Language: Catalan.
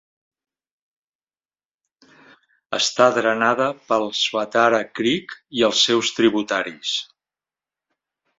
Està drenada pel Swatara Creek i els seus tributaris.